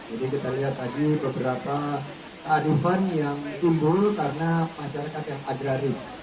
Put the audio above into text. jadi kita lihat tadi beberapa aduan yang tumbuh karena masyarakat yang agraris